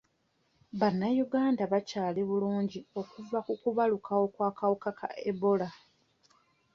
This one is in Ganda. Bannayuganda bakyali bulungi okuva ku kubalukawo kw'akawuka ka ebola.